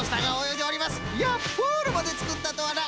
いやプールまでつくったとはな！